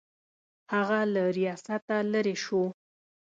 هغه له ریاسته لیرې شو.